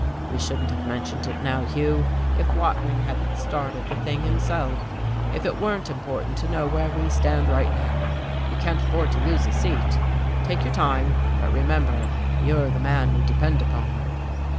We shouldn't have mentioned it now, Hugh, if Watling hadn't started the thing himself, if it weren't important to know where we stand right away. We can't afford to lose the seat. Take your time, but remember you're the man we depend upon."